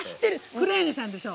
黒柳さんでしょ。